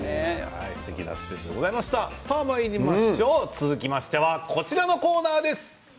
続きましてはこちらのコーナーです。